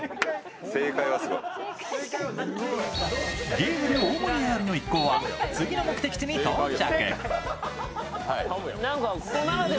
ゲームで大盛り上がりの一行は次の目的地に到着。